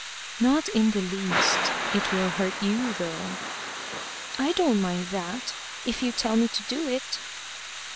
"Not in the least. It will hurt you, though." "I don't mind that, if you tell me to do it."